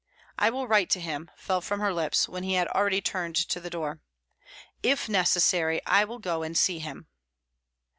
"I will write to him," fell from her lips, when already he had turned to the door. "If necessary, I will go and see him."